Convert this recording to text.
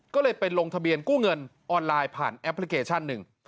ก็เลยไปลงทะเบียนกู้เงินออนไลน์ผ่านแอปพลิเคชันหนึ่ง